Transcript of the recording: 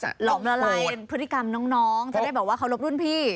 หลอมละลายเป็นพฤติกรรมน้องจะได้แบบว่าเคารพรุ่นพี่